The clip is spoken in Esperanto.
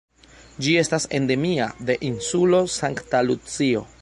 Ĝi estas endemia de Insulo Sankta Lucio.